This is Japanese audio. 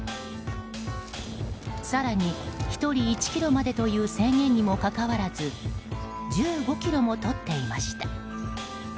更に、１人１ｋｇまでという制限にもかかわらず１５ｋｇもとっていました。